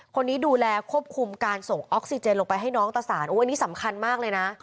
คนนี้ดูแลควบคุมการส่งออกซิเจนลงไปให้น้องตะสารโอ้อันนี้สำคัญมากเลยนะ